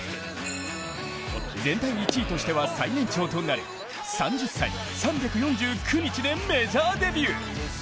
全体１位としては最年長となる３０歳３４９日でメジャーデビュー。